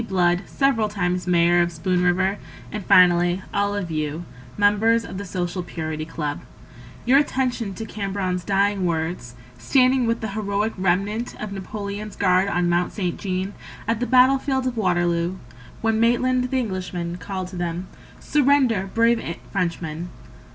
Blood, several times Mayor of Spoon River; And finally all of you, members of the Social Purity Club— Your attention to Cambronne's dying words, Standing with the heroic remnant Of Napoleon's guard on Mount Saint Jean At the battle field of Waterloo, When Maitland, the Englishman, called to them: "Surrender, brave Frenchmen!"